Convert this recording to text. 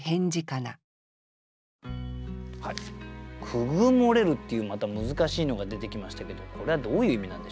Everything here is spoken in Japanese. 「くぐもれる」っていうまた難しいのが出てきましたけどこれはどういう意味なんでしょうか？